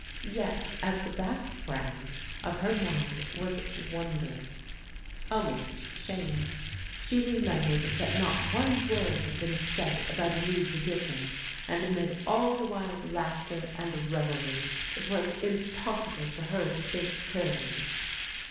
Yet at the background of her mind was wonder — almost shame. She remembered that not one word had been said about a new position, and amid all the wild laughter and revelry it was impossible for her to think clearly.